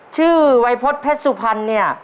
ชื่อวัยพฤษเพชรสุพรรณเนี่ย